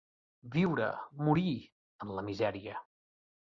Viure, morir, en la misèria.